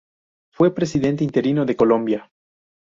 Fue Presidente interino de Colombia.